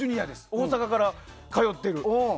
大阪から通ってる。